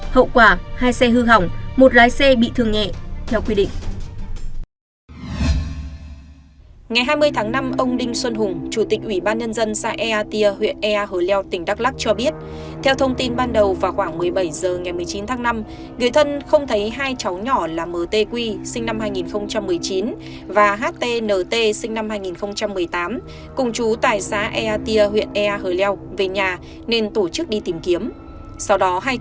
hậu quả hai xe hư hỏng một lái xe bị thương nhẹ theo quy định